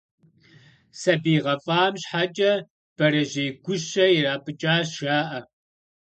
Сабий гъэфӏам щхьэкӏэ, бэрэжьей гущэ ирапӏыкӏащ, жаӏэ.